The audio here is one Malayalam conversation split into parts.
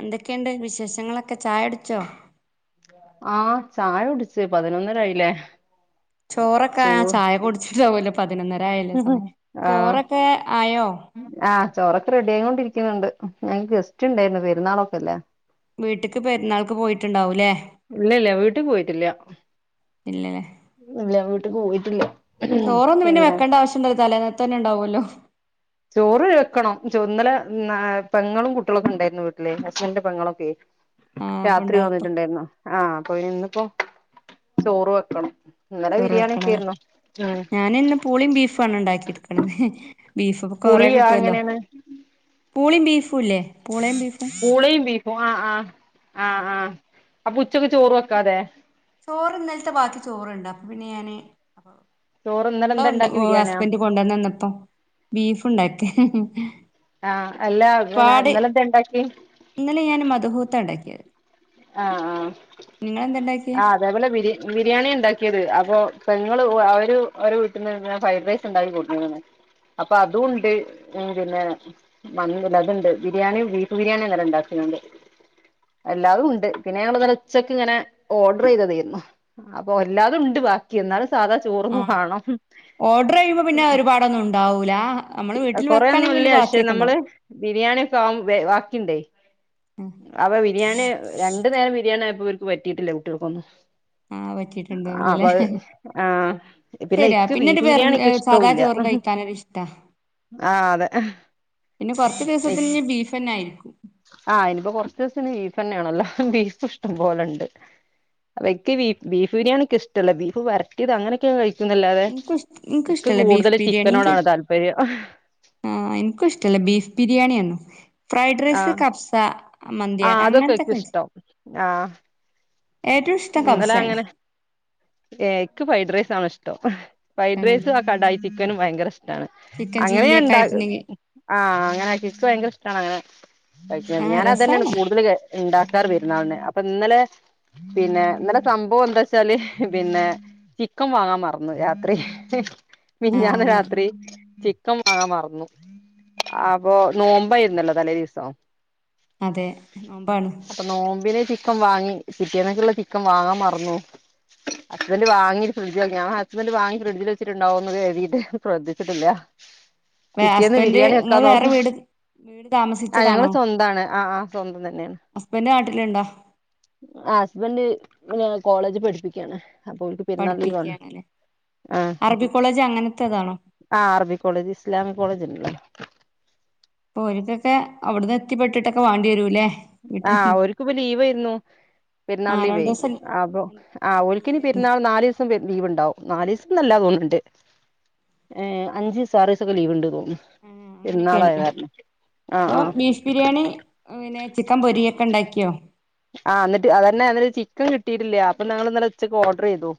എന്തൊക്കെയണ്ട് വിശേഷങ്ങളൊക്കെ ചായകുടിച്ചോ ആഹ് ചായ കുടിച്ചു പതിനൊന്നരായില്ലേ ചോറൊക്കെ ചൂ ആയോ ചായ കുടിച്ചിട്ടാവലോ പതിനൊന്നര ആയല്ലേ സമയം ആഹ് ചോറൊക്കെ ആയോ ആഹ് ചോറൊക്കെ റെഡി ആയികൊണ്ടിരിക്കുന്നുണ്ട് ഞക്ക് ഗസ്റ്റ് ഉണ്ടായിരുന്നു പെരുന്നാളൊക്കെല്ലേ വീട്ടക്ക് പെരുന്നാൾക്ക് പോയിട്ടുണ്ടാവൂല്ലേ ഇല്ല ഇല്ല വീട്ടിൽ പോയിട്ടില്ല ഇല്ലേ ഇല്ല പോയിട്ടില്ല ചോറൊന്നും പിന്നെ വെക്കേണ്ട ആവശ്യണ്ടായില്ല തലേ തന്നെ ഉണ്ടാവല്ലോ ചോറ് വെക്കണം ഇന്നലെ പെങ്ങളും കുട്ടികളൊക്കെ ഉണ്ടായിരുന്നു വീട്ടിലെ ഹസ്ബൻന്റെ പെങ്ങളൊക്കെ ആ അപ്പൊ രാത്രി ഉണ്ടായപ്പോ വന്നിട്ടുണ്ടായിരുന്നു ആഹ് അപ്പ ഇന്നിപ്പോ ചോറ് വെക്കണം ഇന്നലെ ചോറ് ബിരിയാണിയൊക്കെ വെക്കണം ആയിരുന്നു ഉം ഞാന് ഇന്ന് പൂളയും ബീഫുമാണ് ഉണ്ടാക്കി എടുക്കണത് പുളിയാ എങ്ങനെയാണ് പൂളെം ബീഫുംല്ലേ പൂളയും ബീഫും ആഹ് ആഹ് ആഹ് ആഹ് അപ്പൊ ഉച്ചക്ക് ചോറ് വെക്കാതെ ചോറ് ഇന്നലത്തെ ബാക്കി ചോറുണ്ട് അപ്പൊ പിന്നെ ഞാന് ചോറ് ഇന്നലെ പൂള എന്താ ഉണ്ട് ഇണ്ടാക്കി ബിരിയാണിയാ ഹസ്ബൻഡ് കൊണ്ടന്ന് തന്നപ്പോ ബീഫുണ്ടായി ആഹ് അല്ലാ പിന്നെ ഒരുപാട് ഇന്നലെന്താ ഉണ്ടാക്കി ഇന്നലെ ഞാൻ മധുഹൂത്ത ഉണ്ടാക്കിയത് ആഹ് ആഹ് പിന്നെ അതേപോലെ ബിരി ബിരിയാണി ഉണ്ടാക്കിയത് അപ്പൊ പെങ്ങള് അവര് അവരെ വീട്ടിൽന്ന്ന്നെ ഫ്രൈഡ് റൈസ് ഉണ്ടാക്കി കൊണ്ടീന് അപ്പൊ അതും ഉണ്ട് പിന്നെ മന്തി അതുണ്ട് ബിരിയാണിയ ബീഫ് ബിരിയാണിയ ഇന്നലെ ഉണ്ടാക്കിയണ്ട് എല്ലാതും ഉണ്ട് പിന്നെ ഞങ്ങല്ല ഉച്ചക്ക് ഇങ്ങനെ ഓർഡർ ചെയ്തതായിരുന്നു അപ്പൊ എല്ലാതും ഉണ്ട് ബാക്കി എന്നാലും സാധാ ചോറൊന്ന് ആ വാണം ഓർഡർ ചെയ്യുമ്പോ പിന്നെ ഒരുപാടൊന്നും ഉണ്ടാവൂ ല്ലാ കൊറെൊന്നുംല്ല പക്ഷെ നമ്മള് ബിരിയാണി ഒക്കെ ആഹ് ബാക്കിണ്ടേ അപ്പൊ ബിരിയാണി രണ്ടു നേരം ബിരിയാണി ഇവർക്ക് പറ്റിയിട്ടില്ലേ കുട്ടികൾക്കൊന്നും ആ അപ്പൊ വറ്റിട്ടുണ്ടോല്ലല്ലേ അത് ആഹ് ശരിയാ ഇക്ക് പിന്നെ ഒരു ബീഫ് വെറ ബിരിയാണി ഇക്ക് സാദാ ഇഷ്ടവുല്ല ചോറ് കഴിക്കാനൊരു ഇഷ്ടാ ആഹ് അതെ പിന്നെ കൊറച്ചു ദിവസത്തിന് ബീഫന്നെ ആയിരു ആ ഇനിപ്പോ കൊറച് ദിവസം ബീഫ് തന്നെയാണല്ലോ ബീഫ് ഇഷ്ടം പോലുണ്ട് അവയ്ക്ക് ബീഫ് ബിരിയാണി ഒക്കെ ഇഷ്ടല്ല ബീഫ് വരട്ടിയത് അങ്ങനൊക്കെയാ കഴി എനിക്കും ഇഷ് എനിക്ക ഇഷ്ടല്ല ബീഫ് ബിരിയാണിക്കെ ചിക്കനോടാണ് താല്പര്യം ആ എനിക്കും ഇഷ്ടല്ല ബീഫ് ബിരിയാണിയന്നോ ഫ്രൈഡ് റൈസ് ആഹ് കഫ്സ ആഹ് മന്തിയാക്കെ അതൊക്കെ ഇക്ക് അങ്ങനെത്തെക്കെ വെച്ച് ഇഷ്ടം ആഹ് ഏറ്റവും ഇഷ്ടം കബ്സയാണ് ഏക്ക് ഫൈ ഡ്രൈസാണിഷ്ടം ഫൈ ഡ്രൈസ് ആണല്ലേ ആ ക്കടയി ചിക്കനും ഭയങ്കര ഇഷ് ചിക്കൻ [unintelligible] ചില്ലിയൊക്കെ അങ്ങനെയണ്ട ആയിട്ടുണ്ടെങ്കിൽ ആ അങ്ങനെ ആക്കി എനിക്ക് ഭയങ്കര ഇഷ്ട അങ്ങനെ കഴിക്കാൻ ആഹ് ഞാനതെന്നെയാണ് രസാണ് കൂടുതൽ ഇണ്ടാക്കാറ് പെര്ന്നാളന് അ പ്പ ഇന്നലെ പിന്നെ ഇന്നലെ സംഭവം എന്താച്ചാല് പിന്നെ ചിക്കൻ വാങ്ങാൻ മറന്നു രാത്രി ആഹ് മിഞ്ഞാന്ന് അങ്ങനെ രാത്രി ചിക്ക് ക്കം മാങ്ങാ മറന്നു അപ്പൊ നോമ്പായിരുന്നല്ലോ തലേ ദീസം അതെ നോമ്പാണ് ക്കം വാങ്ങി പിറ്റേന്നക്ക്ള്ള ചിക്കൻ വാങ്ങാൻ മറന്നു ഹസ്ബന്റ് വാങ്ങീ ഫ്രഡ്ജിവെ ഞാൻ ഹ സ്ബന്റ് വാങ്ങി ഫ്രിഡ്ജില് വെച്ചിട്ടുണ്ടാവന്ന് കരുതിയിട്ട് ശ്രദ്ധിച്ചിട്ടില്ല വേ പിറ്റേന്ന് ഹസ്ബൻഡ് ബിരിയാണി വെക്കാ ഇങ്ങള് വേറെ നോക്ക് വീട് വീട് ആ ഞങ്ങള് താമസിച്ചതാണോ സ്വന്താണ് ആ ആ സ്വന്തം തന്നെയാണ് ഹസ്ബൻഡ് നാട്ടിലുണ്ടോ ആ ഹസ്ബൻഡ് കോളജ് പഠിപ്പി ക്കാണ് അപ്പോൽക്ക് പെരുന്നാൾ ലീവാണ് പഠിപ്പിക്കാണല്ലേ ആ അറബി കോളേജ് അങ്ങനത്തെതാണോ ആ അറബി കോളേജ് ഇസ്ലാമിക് കോളേജ്ല്ലോ പ്പോര്ക്കൊക്കെ അവിട്ന്ന് എത്തിപ്പെട്ടിട്ടൊക്കെ വാണ്ട്യരൂല്ലേ ആ ഒര്ക്ക്പ്പ ലീവായ്ര്ന്നു ആ പെരുന്നാൾ ലീവേ രണ്ടൂസം അപ്പൊ ആ ഓൽക്കിനി ലീവായിരുന്നു പെരുന്നാൾ നാലീസം പെ ലീവ് ണ്ടാവും നാലീസൊന്നല്ല തോന്ന്ണ്ട് ഏ അഞ്ചീസോ ആറീസൊക്കെ ലീവ് ഇണ്ട് തോ ആ അങ്ങനെയൊക്കെയണല്ലേ ആഹ് അപ്പൊ ആഹ് ബീഫ് ബിരിയാണി പിന്നെ ചിക്കൻ പൊരി ക്കെണ്ടാക്കിയോ ആ ന്നി്ട്ട് അതന്നെ അന്നട്ട് ചിക്കൻ കിട്ടീട്ടില്ല്യ അപ്പൊ ഞങ്ങള് ഇന്നലെ ഉച്ചക്ക് ഓർഡറെയ്തു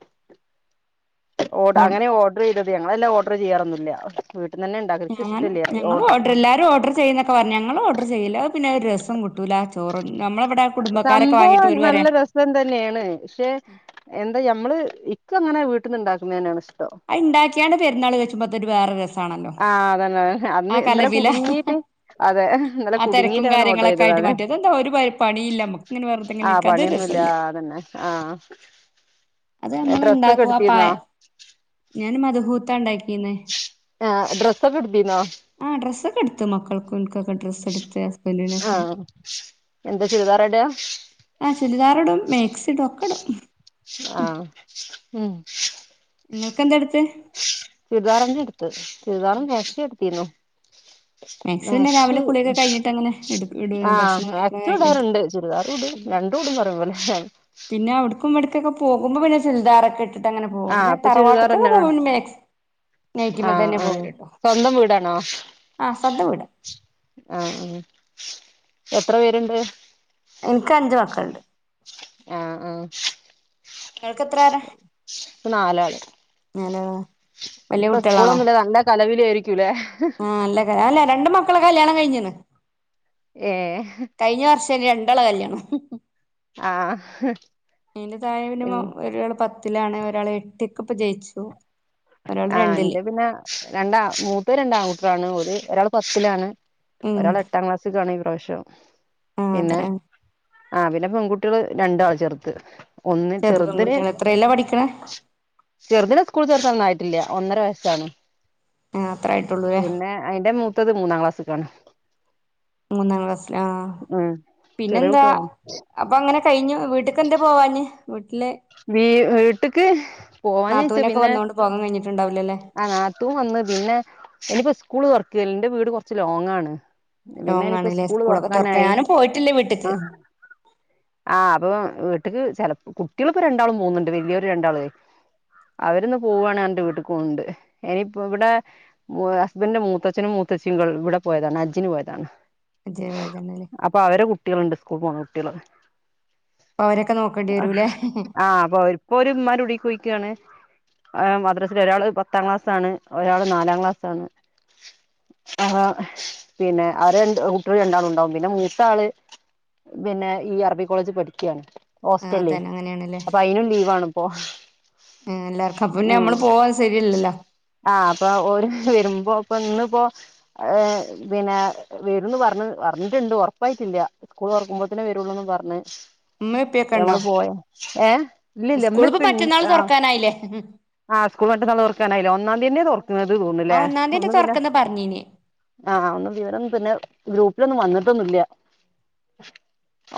ഓ അങ്ങനെ ഓർഡർ ചെയ്ത ഞങ്ങള് വെല്ലാ ഓർഡറ് ചെയ്യാറൊന്നില്ല ആർക് ഞാൻ ഞങ്ങള് ഓഡർ എല്ലാരും ഓർഡർ ചെയ്യുന്നൊക്കെ പറഞ്ഞു ഞങ്ങങ്ങള് ഓർഡർ ചെയ്യില്ല പിന്നെ ഒരു രസം കിട്ടൂല അ സംഭവം ഓര് നല്ല പറയാ രസം തന്നെയാണ് ക്ഷെ എന്താ ഞമ്മള് ഇക്കങ്ങനെ വീട്ട്ന്ന്ണ്ടാക്കുന്നന്നെയാണ് ഇ അയ്ണ്ടാക്കിയാണ്ട് പെരുന്നാൾ കൈച്ചുമ്പതൊരു വേറെ രസാണല്ലോ ആഹ് അതന്നെ ആ അന്ന് ഇന്നലെ കലപില കുടുങ്ങീട്ട് അതെ ഇന്നലെ ആ തിരക്കും കുടുങ്ങീട്ടങ്ങനെ ഓർഡർ കാര്യങ്ങളൊക്കെ ആയിട്ട് ചെയ്തതാണ് മറ്റേത് എന്താ ഒരു പണിയില്ല നമുക്കിങ്ങനെ വെറുതിങ്ങനെ ആഹ് ഇര്ക്കാം പണിയൊന്നുല്ല അതൊരസല്ലേ അതന്നെ ആഹ് അത് നമ്മൾ ഡ്രസ്സൊക്കെ ണ്ടാക്കും ആ പായ എടുത്തിരുന്നോ ഞാന് മദ് ഹൂത്തണ്ടാക്കിന്നെ ആ ഡ്രസ്സൊക്കെ എടുത്തീന്നോ ആ ഡ്രസെ എടുത്ത് മക്കൾക്കും ഇൻകൊ ഡ്രസ്സെടുത്ത് ഹസ്ബൻഡിനാെക്ക ആഹ് എന്താ ചുരിദാർ ഇടാ ആ ചുരിദാറിടും മേക്സിടും ഒക്കെടും ഉ ആ ഉം നിങ്ങൾക്കെന്തെടു ചുരിദാറന്നെ എടുത്തു ചുരിദാറൻ നേരത്തെ എടുത്തിരുന്നു പിന്നെ മാക്സി രാവിലെ കുളിയൊക്കെ കഴിഞ്ഞിട്ട് അങ്ങനെ എടു ഇടു ആ ഭക്ഷണം കഴിക്കണ കഴിഞ്ഞിട്ട് മാക്സിടാറുണ്ട് ചുരിദാറിടും പിന്നെ രണ്ടും ഇടും ഒരേ പോലെ ങാ പുറത്ത്ക്കെ പോക്പോ പിന്നെ ചുരിദാറൊക്കെ ഇട്ട് ആ അപ്പൊ ചുരിദാർതന്നണോ മാക്സി ആ നൈറ്റിമ്മെ തന്നെ ആ പോവല്ട്ടോ സ്വന്തം വീടാണോ ആഹ് സദ്യ വീട് ആ എത്ര പേരുണ്ട് ഉണ്ട് ആ ആ നിങ്ങൾക്ക് എത്ര പേരാ ഇപ്പനാലാള് നാലാളാ ഇപ്പൊ ഈസ്കൂളൊന്നുംഇല്ല നല്ല കലപില ശരി ആ അല്ല രണ്ട്മക്കള് കല്യാണം കഴിഞ്ഞന്ന് ഏ രണ്ടാള്കല്യാണം ആഹ് എന്റെ തായെ പിന്നെ ഉം ഒരാൾ പത്തിലാണ് ഒരാൾ എട്ടിൽ ഇപ്പ ജയിച്ചു ഒരാള് ആ രണ്ടില് എന്റെ പിന്നെ രണ്ടാ മൂത്തത് രണ്ട് ആൺ ഒരാണ് ഒരാൾ പത്തിലാണ് ഉം ഒരാള്എട്ടാം ക്ലാസ്സിൽ കാണ് പ്രാവിശ്യം ആഹ് അത്ര ആഹ് പിന്നെ പെൺകുട്ടികള് രണ്ടാ ചെറ്ത് ഒന്ന് ചെറുത് ചെറുതിനെ പെൺകുട്ടികള് എത്രയിലാ പഠിക്കണേ ചെറുതിനെ സ്കൂൾ ചേർത്ത ഒന്നായി ടില്ല ഒന്നര വയസ്സാണ് ആഹ് അത്രേയിട്ടുള്ളുവേ അടുത്തത് മൂന്നാം ക്ലാസ്സ്ക്കാണ് മൂന്നാം ക്ലാസിലാ ആഹ് ചെറിയ പിന്നെന്താ കുട്ടികളാണ് അപ്പൊ അങ്ങനെ കഴിഞ്ഞു വീട്ടക്ക് എന്തേ പോവാഞ്ഞെ വീ വീട്ടക്ക് പോവാഞ്ഞ്ച്ച നാത്തൂനൊക്കെ പിന്നെ വന്നോണ്ട് പോകാൻ കഴിഞ്ഞിട്ടുണ്ടാവില്ലല്ലേ ആഹ് നാത്തൂൻ വന്ന് പിന്നെ ഇനിയിപ്പോ സ്കൂള് തുറക്ക ല്ലേ ന്റെ വീട് കുറച്ച് ലോങ്ങാണ് പിന്നെ ലോങ് നിപ്പോ ആണല്ലേ സ്കൂള് സ്കൂളൊക്കെ തുറക്ക തുറക്കാനായി ഞാനും പോയിട്ടില്ല വീട്ട്ക്ക് ആഹ് ആഹ് അപ്പൊ വീട്ടക്ക് ചിലപ്പോ കു കുട്ടികളിപ്പോ രണ്ടാളും പോകുന്നുണ്ട് വലിയൊരു രണ്ടാളേ അവരിന്ന് പോവുവാണ് എന്റെ വീട്ടക്ക്ണ്ട് ഇനിപ്പോ ഇവിടെ ഹസ്ബന്റിന്റെ മൂത്തച്ഛനും മൂത്തച്ഛിയും ഇവിടെ പോയതാണ് ഹജ്ജിനന് പോയതാണ് ഇജ്ജ് പോയതാണല്ലേ അപ്പൊ അവരെ കുട്ടികളുണ്ട് ഇപ്പൊ മൂന്ന് കുട്ടികള അവരൊക്കെ നോക്കേണ്ടി വരൂല്ലേ ഹ്ഹെ ആഹ് അപ്പൊ ഇപ്പൊ ഓര് ഉമ്മാന്റെ കുടീക്കോയിരിക്കയാണ് മദ്രാസേൽ ഒരാള് പത്താം ക്ലാസ് ആണ് ഒരാള് നാലാം ക്ലാസ്സാണ് പിന്നെ ആരണ്ട് കുട്ടികള് രണ്ടാളും ഉണ്ടാവും പിന്നെ മൂത്താള് പിന്നെ ഈ അറബി കോളേജിൽ പഠിക്കയാണ് ആഹ്തന്നെ അങ്ങനെയാ അപ്പൊ അയിനും ലീവാണ് പോ ആ എല്ലാർക്കും [unintelligible] പിന്നെ നമ്മള് പോവാ ശരിയല്ലല്ലോ ആഹ് അപ്പൊ ഓര് വരുമ്പോ ഇന്നിപ്പോ പിന്നെ വരൂന്ന് പറഞ്ഞ് പറഞ്ഞിട്ടുണ്ട് ഉറപ്പായിട്ടില്ല സ്കൂൾ തൊറക്കുമ്പോത്തേനേവരുള്ളൂന്ന് പറഞ്ഞ് ഉമ്മേം ഉപ്പേംക്കണ്ടോ ഞമ്മള് പോയ ഏഹ് ഇല്ലില്ല ഉമ്മപ്പ്ണ്ട് ആഹ് [unintelligible] ആഹ് സ്കൂള [unintelligible] തുറക്കാനായില്ലേ ഒന്നാം തീയന്നെ തുറക്കുന്നത് ആ തോന്ന്ലേ ഒന്നാം തീയതി ഒന്ന് പിന്നെ തുറക്കുന്ന് പറഞ്ഞീനി ആഹ് ഒന്നു വിവരം പിന്നെ ഗ്രൂപ്പിലൊന്നും വന്ന് [unintelligible]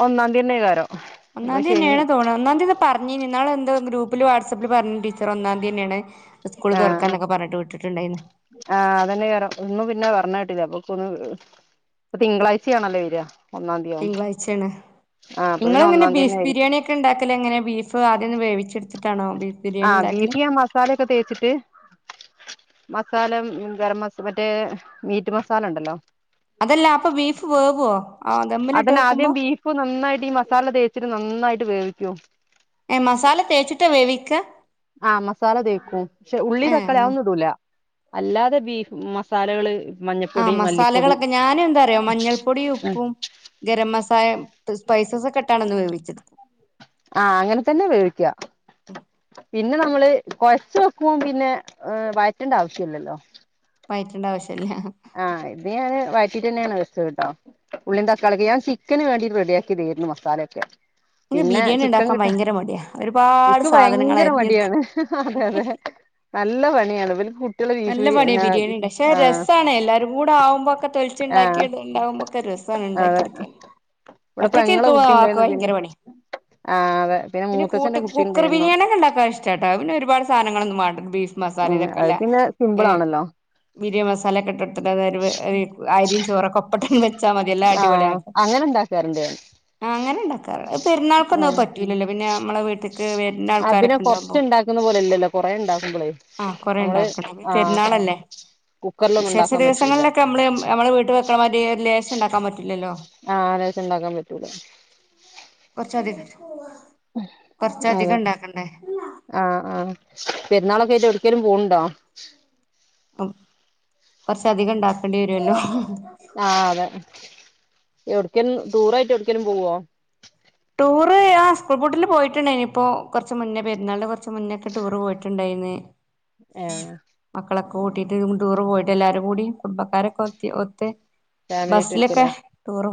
ഒന്നാം തീയന്നെ കേറും ഒന്നാം തീയന്ന്യാണ് തോണൂ ഒന്നാം തീയതി പറഞ്ഞി ഇന്നാള് എന്തോ ഗ്രൂപ്പ് ഇപ്പ വാട്സാപ്പിൽ പറഞ്ഞു ടീച്ചർ ഒന്നാംതീയന്നെയാണ് ആഹ് ആഹ് ആ അതന്നെ വേറ ഒന്നും പിന്നെ പറഞ്ഞ കേട്ടില്ലാപ്പൊ [unintelligible] തിങ്കളാഴ്ചയാണല്ലേ വരാ തിങ്കളാഴ്ചയാണ് അപ്പൊ പിന്നെ നിങ്ങളെങ്ങനെ ഒന്നാം തീയതി തന്നെ ബീഫ് ആയിരിക്കും ബിരിയാണി ഒക്കെ ഉണ്ടാക്കലെങ്ങനെ ബീഫ് [unintelligible] ആദ്യൊന്ന് വേവിച്ചെടുത്തിട്ടാണോ ബീഫ് ബിരിയാണി ആഹ് ഉണ്ടാക്കല് ബീഫ് ഞാൻ മസാലൊക്കെ തേച്ചിട്ട് മസാല ഗരം മസാ മറ്റേ മീറ്റ് മസാല ഉണ്ടല്ലോ അതല്ല അപ്പൊ ബീഫ് വേവുവോ ആ ദമ്മിലിട്ട് അതിന് ആദ്യം വെക്കുമ്പോ ബീഫ് നന്നായിട്ട് ഈ മസാല തേച്ചിട്ട് നന്നായിട്ട് വേവിക്കും മസാല തേച്ചിട്ട വേവിക്ക ആ മസാല തേക്കും പക്ഷെ ഉള്ളി ഏ തക്കാളി ഞ- ആതൊന്നും ഇടൂല അല്ലാതെ ബീഫ് മസാലകള് ആ മഞ്ഞപ്പൊടി മല്ലിപ്പൊടി മസാലകളൊക്കെ ഞാനും എന്താന്നറിയോ മഞ്ഞൾപ്പൊടിയും ഉപ്പും ഗരം മസാല സ്പൈസസ് ഒക്കെ ഇട്ടാണ് ഇന്ന് വേവിച്ചത് ആ അങ്ങനെ തന്നെ വേവിക്കുക പിന്നെ നമ്മള് കൊഴച്ച് വെക്കും പിന്നെ വഴറ്റേണ്ട ആവശ്യംല്ലല്ലോ വയറ്റണ്ടേ ആവിശ്യം ആ ഇത് ഞാന് വയ റ്റി തന്നെയാണ് വെച്ചത്ട്ടാ ഉള്ളി തക്കളിക്കെ ഞാൻ ചിക്കന് വേണ്ടിട്ട് റെഡിയാക്കി താരുന്നു മസാലയൊക്കെ നിക്ക് പിന്നെ ബിരിയാണി ചിക്കൻ ഉണ്ടാക്കാൻ കിട്ടാൻ ഭയങ്കര മടിയാ ഒരുപാട് ഇക്ക് സാധനങ്ങ ഭയങ്കര അരിഞ്ഞെടുക്ക മടിയാണ് അതെ അതെ നല്ല പണിയണ് നല്ല പണിയ ബിരിയാണി ഉണ്ട പക്ഷെ രസാണ് എല്ലാരും കൂടെ ആവുമ്പോക്കെതൊലിച്ച് ആഹ് ണ്ടാക്കിണ്ടുമ്പോക്കെ രസമാണ് അതെ ഉണ്ടാക്കിഎടുക്കാൻ ഇവിടെ ഒറ്റക്ക് പെങ്ങളെ കുട്ടി ഉണ്ടായിരുന്നു പിന്നെ ഭയങ്കര മടി ആഹ് അതെ പിന്നെ കൂട്ട മൂത്തച്ഛന്റെ കുട്ടി കുക്കർ ഉണ്ടായിരുന്നു ബിരിയാണി ഒക്കെ ഉണ്ടാക്കാൻ ഇഷ്ടാട്ടോ പിന്നെ ഒരുപാട് സധങ്ങളൊന്നും വേണ്ട ബീഫ് ഉം അത് മസാലക്കല്ലേ പിന്നെ ഏ സിമ്പിൾ ആണല്ലോ ബിരിയ മസാല ഒക്കെ ഇട്ടെടുത്തിട്ട് അരിയും ചോറൊക്കെ ഒപ്പട്ടം വെച്ചാ മതിയല്ല അടിപൊളിയ ആഹ് ആക്ക അങ്ങനെ ഉണ്ടാക്കാറുണ്ട് ആ അങ്ങനെ ഉണ്ടാക്കാറ് പെരുന്നാൾക്കൊന്നും പറ്റൂലല്ലോ പിന്നെ നമ്മളെ വീട്ടിക്ക് വരുന്ന തിനെ ആൾക്കാരൊക്കെ ഉണ്ടാവുമ്പോ കൊറച്ച്ണ്ടാക്കുന്ന പോലെല്ലല്ലോ കൊറേ ണ്ടാക്കുമ്പളെ നമ്മള് ഈ ആഹ് പെരുന്നാളല്ലേ കുക്കറിലൊന്നും വിശേഷ ഉണ്ടാക്കാൻ പറ്റൂല ദിവസങ്ങളിലൊക്കെ നമ്മള് നമ്മള് വീട്ട വെക്കണമാതിരി ഒരു ലേശം ഉണ്ടാക്കാൻ പറ്റും ആ [unintelligible] ഉണ്ടാക്കാൻ പറ്റൂല [unintelligible] കൊറച്ചധികം ഇണ്ടാക്കണ്ടേ ആ ആ പെരുന്നാളൊക്കെ ആയിട്ട് എവിടേക്കെങ്കിലും പോണുണ്ടോ കൊറച്ചധികം ഉണ്ടാക്കേണ്ടി വരുവല്ലോ ആ അതെ എവിടക്കും ദൂറായിട്ട് എവിടക്കലും പോവോ ടൂറ് സ്കൂൾ പൂട്ടിൽ പോയിട്ടുണ്ടായിനി ഇപ്പോ കുറച്ച് മുന്നേ പെരുന്നാളിന്റെ കുറച്ച് മുന്നേ ഒക്കെ ടൂറ് പോയിട്ടുണ്ടായിന്ന് ആ മക്കളൊക്കെ കൂട്ടിട്ട്ടൂറ് പോയിട്ട് എല്ലാരും കൂടി കുടുംബക്കാരൊക്കെ ഒത്ത് ഫാമിലി ബസിലൊക്കെ ട്രിപ്പിലാ ടൂറ്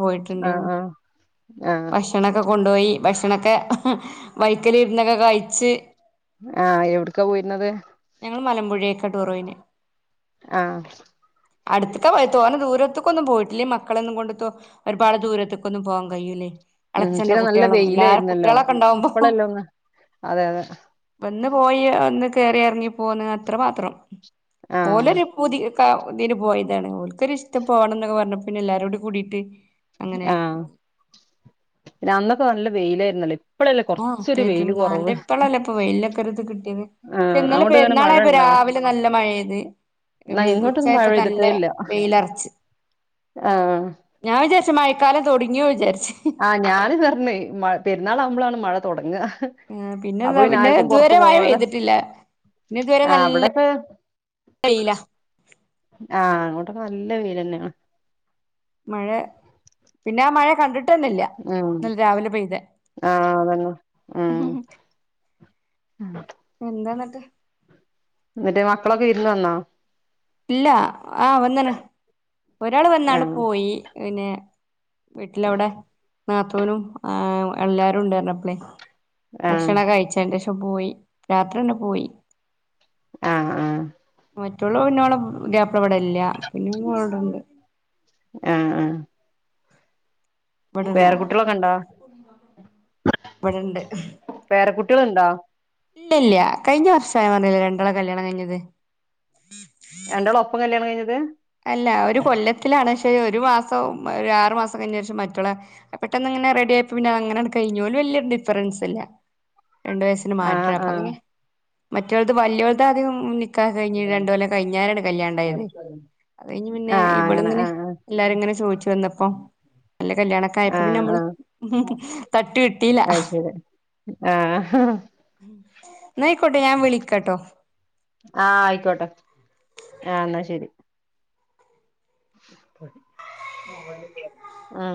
ആഹ് പോയിട്ടുണ്ടായിരുന്നു ആഹ് ആഹ് ഭക്ഷണക്കൊ കൊണ്ടുപോയി ഭക്ഷണൊക്കെ വൈക്കല് ഇരുന്നൊക്കെ കഴിച്ച് ആഹ് എവ്ട്ക്കാ പോയിര്ന്നത് മലമ്പുഴയേക്കാ ടൂറോയീനെ ആഹ് അട്ത്ത്ക്കാ പോയെ തോനെ ദൂരത്ത്ക്കൊന്നും പോയിട്ടില്ല. ഈ മക്കളെ ഒന്നും കൊണ്ട് ഒരുപാട് ദൂരത്തേക്കൊന്നും പോവാൻ കഴിയൂലയ്. ഉം പിന്നെ നല്ല വെയ്ലായിര്ന്നല്ലോ ഉണ്ടാവുമ്പോ ഇപ്പളല്ലോന്ന് അതെ അതെ ഒന്ന് പോയി ഒന്ന് കേറി എറ്ങ്ങി പോന്ന് അത്ര മാത്രം ആഹ് ഓലൊര് പൂതി ക്ക തിന് പോയതെ ക്കാണ് ഓലൊരിഷ്ടം പോകണന്നൊക്കെ പറഞ്ഞപ്പൊ പിന്നെല്ലാരുംകൂടി കൂടിട്ട് അങ്ങനെ ആഹ് പിന്നെ അന്നൊക്കെ നല്ല വെയിലായിര്ന്നല്ലേ ഇപ് ആ പേറ്റ നാന്റെ ഇപ്പളല്ലേ ഇപ്പ വയിൽ കര്ത്ക്ട് ന്ന് പക്ഷെ ആഹ് ഇന്നലെ അങ്ങോട്ട് എങ്ങനെ മഴ പെര്ന്നാളായപ്പ ഉണ്ടോ? രാവിലെ നല്ല മയപെയ്ത് ന്ന വെയ് ഇങ്ങോട്ടൊന്നും മഴ ഉച്ചായപ്പോ നല്ല പെയ്തിട്ടേ ഇല്ല വെയിലറിച്ച്. ആഹ് ഞാൻ വിചാര്ച്ച് മഴക്കാലം തൊട്ങ്ങി ഞ്ഞു വിചാരിച്ച് ആ ഞാന് പറഞ്ഞു മഴപെര് ന് ന്നാളാകുമ്പളാണ് മഴ തോട്ങ്ങാ ആ പിന്നെന്താ പിന്നെത് വരെ മഴ പോവാതെ പെയ്തിട്ടില്ല പിന്നെത് വരെ ആഹ് നല്ല ഇവിടൊക്കെ വെയ്ലാ ആഹ് അങ്ങോട്ടൊക്കെ നല്ല വെയ്ലന്നെണ് മഴ പിന്നെ ആ മഴ കണ്ടിട്ട് ആ ആ അതന്നെ ആ അ ആ എന്താന്ന്ട്ട് ന്ന്ട്ട് മക്കളൊക്കെ വിര്ന്ന് വന്നോ ഇല്ല ആ വന്നീണ് ഒരാള് വന്നാണ്ട് ആഹ് പോയി പിന്നെ വീട്ടിലവ്ടെ നാത്തൂനും ആ എല്ലാരുണ്ട് പറഞ്ഞപ്പ്ളേയ് ആഹ് ഭക്ഷണം കഴിചേന്റെഷം പോയി രാത്രിന്നെ പോയി ആ ആ മറ്റുളെ പിന്നോളെ പുതിയാപ്ലവടെല്ല പിന്നോള് വടണ്ട് ആ ആ വടണ്ട് ഉണ്ടോ? വടണ്ട് ട്ട്യാള്ണ്ടോ ഇല്ലല്ല കഴിഞ്ഞ വർഷാ ഞാൻ പറ്ഞ്ഞീലെ രണ്ടാളെ കല്യാണം കഴിഞ്ഞത് രണ്ടാളും ഒപ്പം കല്യാണം കയി ഞ്ഞത് അല്ല ഒരു കൊല്ലത്തിലാണ് ഒരു മാസം അർമാസം കൈഞ്ഞേ ശേഷം മറ്റൊളെ പെട്ടന്ന് ഇങ്ങനെ റെഡി ആയപ്പോൾ അധ് ഇങ്ങനെ കയിഞ്ഞു ഓൽ വലിയ ഡിഫറെൻസ് ഇല്ല രണ്ടു വയസ്സിന് മാറ്റ ആഹ് അപ്പ ആഹ് അങ്ങനെ മറ്റുള്ളത് വലിയളതാദ്യം കഴിഞ്ഞ രണ്ടുകൊല്ലം കഴിഞ്ഞരാണ് കല്യാ ഉണ്ടായത് അത് കഴിഞ്ഞ് പിന്നെ ആഹ് ഇവളെ അങ്ങനെ ഇങ്ങനെ ആഹ് എല്ലാരും ഇങ്ങനെ ചോദിച്ചു വന്നപ്പോ നല്ല ആഹ് കല്യാണക്കായപ്പോ പിന്നെ ആഹ് നമ്മള് ആഹ് തട്ടി വിട്ടില്ല അത് ശരി ആ ആയിക്കോട്ടെ ആ എന്നാ ശരി ആ